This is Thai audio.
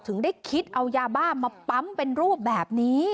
ได้คิดเอายาบ้ามาปั๊มเป็นรูปแบบนี้